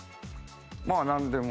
まあなんでも。